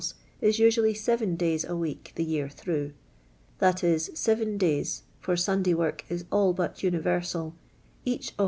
s is usually seven days a week the year thniui h. Tliat is, seven days — fur Sunday work is nil but nniver>:il eiich of